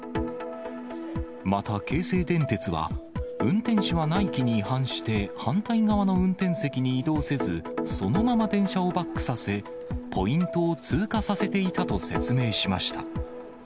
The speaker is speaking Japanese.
また、京成電鉄は、運転士が内規に違反して、反対側の運転席に移動せず、そのまま電車をバックさせ、ポイントを通過させていたと説明しました。